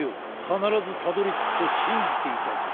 かならずたどりつくとしんじていたぞ。